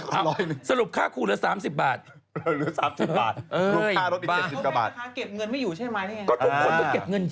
เก็บเงินไม่อยู่ใช่ไหม